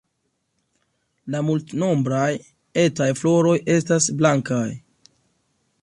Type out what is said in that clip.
La multnombraj etaj floroj estas blankaj.